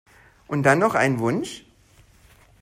Und dann noch einen Wunsch?